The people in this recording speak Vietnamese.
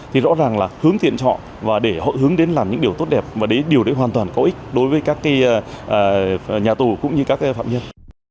thì rõ ràng là hướng thiện cho họ và để họ hướng đến làm những điều tốt đẹp và điều đấy hoàn toàn có ích đối với các nhà tù cũng như các phạm nhân